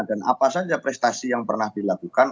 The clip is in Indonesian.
dan apa saja prestasi yang pernah dilakukan